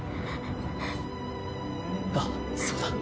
ああそうだ。